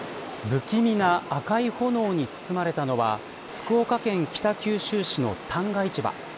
不気味な赤い炎に包まれたのは福岡県北九州市の旦過市場。